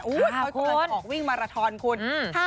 อุ๊ยพวกมันออกวิ่งมาราทอนคุณ